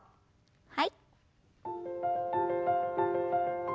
はい。